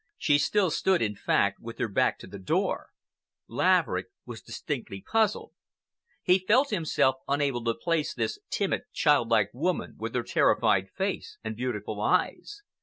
She still stood, in fact, with her back to the door. Laverick was distinctly puzzled. He felt himself unable to place this timid, childlike woman, with her terrified face and beautiful eyes.